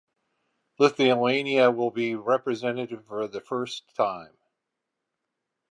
Lithuania will be represented for the first time.